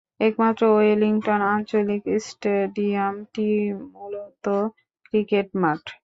একমাত্র ওয়েলিংটন আঞ্চলিক স্টেডিয়াম-টি মূলত ক্রিকেট মাঠ।